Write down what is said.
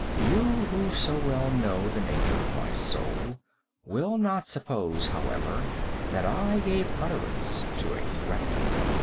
You, who so well know the nature of my soul, will not suppose, however, that I gave utterance to a threat.